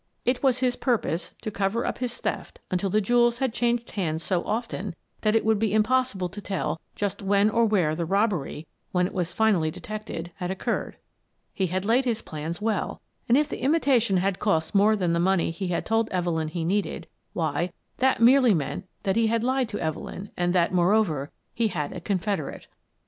It was his purpose to cover up his theft until the jew els had changed hands so often that it would be impossible to tell just when or where the robbery, when it was finally detected, had occurred. He had laid his plans well, and if the imitation had cost more than the money he had told Evelyn he needed, why, that merely meant that he had lied to Evelyn and that, moreover, he had a confederate.